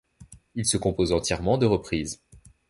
Il se compose entièrement de reprises.